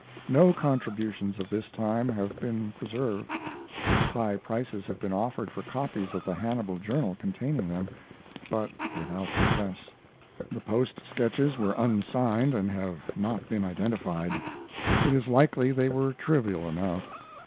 No contributions of this time have been preserved. High prices have been offered for copies of the Hannibal journal containing them, but without success. The Post sketches were unsigned and have not been identified. It is likely they were trivial enough.